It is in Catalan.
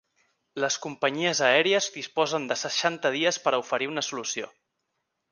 Les companyies aèries disposen de seixanta dies per a oferir una solució.